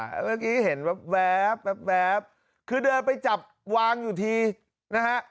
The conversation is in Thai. เมื่อกี้เห็นแว๊บคือเดินไปจับวางอยู่ทีนะฮะ